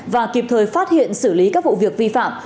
và kịp thời phát hiện xử lý các vụ việc vi phạm